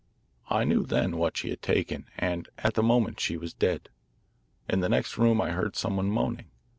I knew then what she had taken, and at the moment she was dead. In the next room I heard some one moaning.